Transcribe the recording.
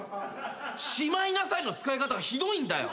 「しまいなさい」の使い方がひどいんだよ。